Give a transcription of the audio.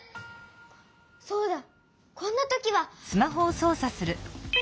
そうだこんなときは！